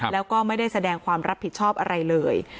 แล้วก็ไม่ได้แสดงความรับผิดชอบอะไรเลย